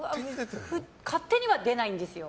勝手には出ないんですよ。